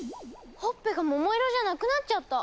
ほっぺが桃色じゃなくなっちゃった。